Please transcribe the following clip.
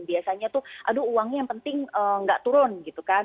biasanya tuh aduh uangnya yang penting nggak turun gitu kan